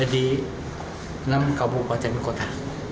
jadi enam kabupaten kota